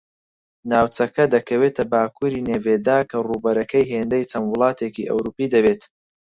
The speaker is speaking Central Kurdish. ناوچەکە دەکەوێتە باکوری نێڤێدا کە ڕووبەرەکەی ھێندەی چەند وڵاتێکی ئەوروپی دەبێت